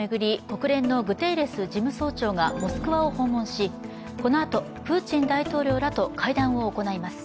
国連のグテーレス事務総長がモスクワを訪問しこのあとプーチン大統領らと会談を行います。